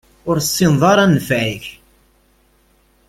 Ur tessineḍ ara nnfeɛ-ik.